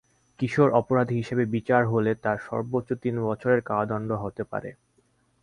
কিশোর অপরাধী হিসেবে বিচার হলে তার সর্বোচ্চ তিন বছরের কারাদণ্ড হতে পারে।